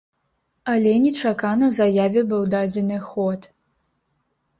Але нечакана заяве быў дадзены ход.